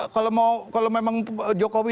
kalau memang jokowi